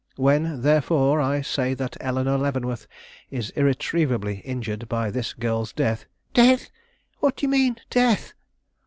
When, therefore, I say that Eleanore Leavenworth is irretrievably injured by this girl's death " "Death? What do you mean? Death!"